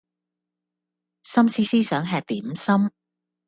心思思想吃點心